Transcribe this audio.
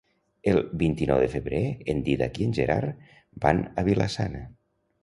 El vint-i-nou de febrer en Dídac i en Gerard van a Vila-sana.